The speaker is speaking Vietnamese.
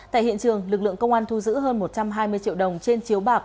tại hiện trường lực lượng công an thu giữ hơn một trăm hai mươi triệu đồng trên chiếu bạc